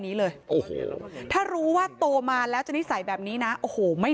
นี้เลยโอ้โหถ้ารู้ว่าโตมาแล้วจะนิสัยแบบนี้นะโอ้โหไม่